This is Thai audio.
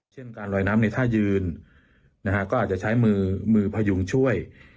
เช่นการลอยน้ำในท่ายืนก็อาจจะใช้มือมือพยุงช่วย